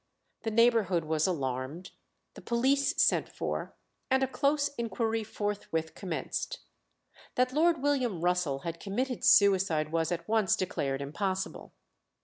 The neighbourhood was alarmed, the police sent for, and a close inquiry forthwith commenced. That Lord William Russell had committed suicide was at once declared impossible.